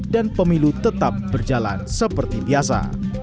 dan pemilu tetap berjalan seperti biasa